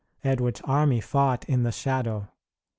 Edward's army fought in the shadow.